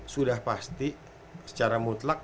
sudah pasti secara mutlak